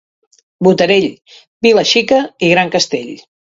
Botarell, vila xica i gran castell.